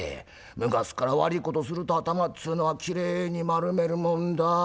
昔っから悪いことすると頭っつうのはきれいに丸めるもんだ。